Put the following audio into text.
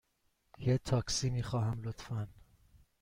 یه تاکسی می خواهم، لطفاً.